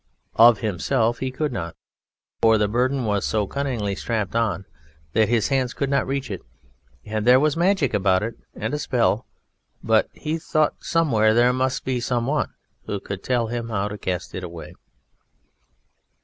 Of himself he could not, for the Burden was so cunningly strapped on that his hands could not reach it, and there was magic about it, and a spell; but he thought somewhere there must be someone who could tell him how to cast it away.